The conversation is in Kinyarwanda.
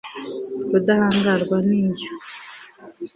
rudahangarwa, ni yo